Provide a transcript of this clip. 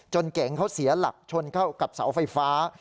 เก๋งเขาเสียหลักชนเข้ากับเสาไฟฟ้า